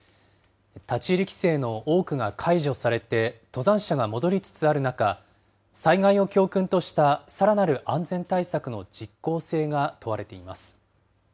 立ち入り規制の多くが解除されて、登山者が戻りつつある中、災害を教訓としたさらなる安全対策の実効性が問われています。